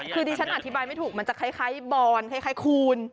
คือที่ฉันอธิบายไม่ถูกมันจะคล้ายบอนคล้ายคูณ